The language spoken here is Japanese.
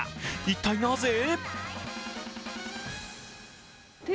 一体なぜ？